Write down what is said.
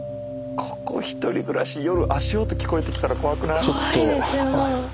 ここ１人暮らし夜足音聞こえてきたら怖くない？